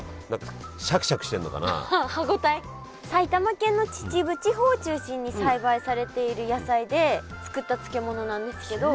でも埼玉県の秩父地方を中心に栽培されている野菜で作った漬物なんですけど。